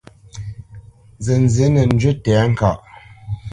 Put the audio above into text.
Nzənzí nə́ njywi tɛ̌ŋkaʼ.